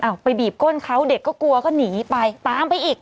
ไปบีบก้นเขาเด็กก็กลัวก็หนีไปตามไปอีก